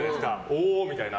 おおみたいな。